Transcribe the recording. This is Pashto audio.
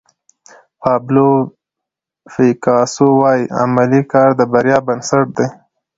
پابلو پیکاسو وایي عملي کار د بریا بنسټ دی.